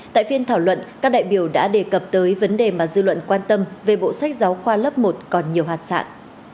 tại phiên thảo luận các đại biểu đã đề cập tới vấn đề mà dư luận quan tâm về bộ sách giáo khoa lớp một còn nhiều hạt sạn